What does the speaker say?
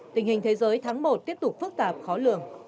tình hình thế giới tháng một tiếp tục phức tạp khó lường